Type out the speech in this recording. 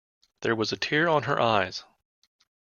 There was a tear on her eyes.